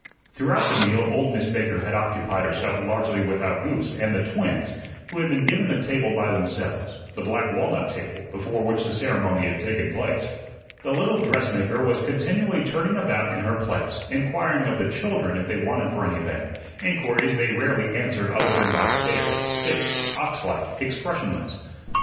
Throughout the meal old Miss Baker had occupied herself largely with Owgooste and the twins, who had been given a table by themselves the black walnut table before which the ceremony had taken place. The little dressmaker was continually turning about in her place, inquiring of the children if they wanted for anything; inquiries they rarely answered other than by stare, fixed, ox like, expressionless.